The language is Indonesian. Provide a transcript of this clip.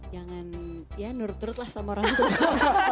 jangan ya nurut urut lah sama orang tuju